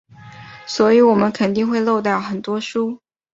所以我们肯定会漏掉很多书。